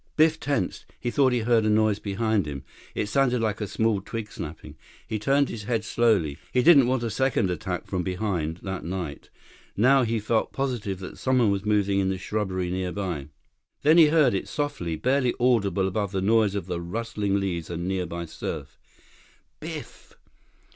Biff tensed. He thought he heard a noise behind him. It sounded like a small twig snapping. He turned his head slowly. He didn't want a second attack from behind that night. Now he felt positive that someone was moving in the shrubbery nearby. Then he heard it, softly, barely audible above the noise of the rustling leaves and nearby surf. "Biff!"